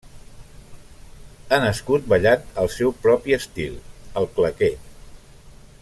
Ha nascut ballant el seu propi estil: el claqué.